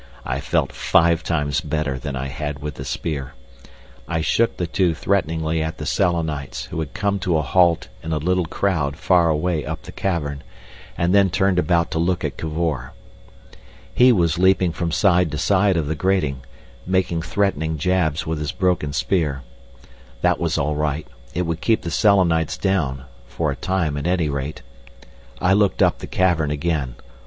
I felt five times better than I had with the spear. I shook the two threateningly at the Selenites, who had come to a halt in a little crowd far away up the cavern, and then turned about to look at Cavor. He was leaping from side to side of the grating, making threatening jabs with his broken spear. That was all right. It would keep the Selenites down—for a time at any rate. I looked up the cavern again.